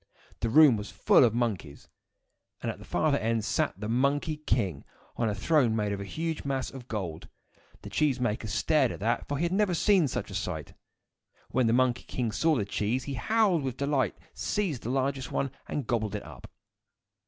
The room was full of monkeys; and at the farther end sat the Monkey King, on a throne made of a huge mass of gold. The cheese maker stared at that, for he had never seen such a sight. When the Monkey King saw the cheese, he howled with delight, seized the largest one, and gobbled it up.